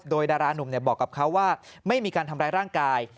โดยดารานุ่มบอกกับเขาว่าไม่มีการทำร้ายร่างกาย